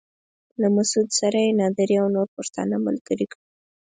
له مسعود سره يې نادري او نور پښتانه ملګري کړل.